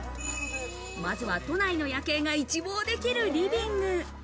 まずは都内の夜景が一望できるリビング。